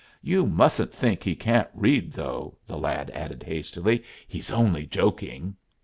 "You mustn't think he can't read, though," the lad added hastily. "He's only joking."